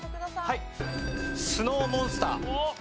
はいスノーモンスター。